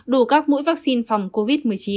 đủ các mũi vaccine phòng covid một mươi chín